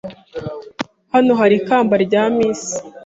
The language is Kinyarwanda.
Hano hari ikamba rya miss.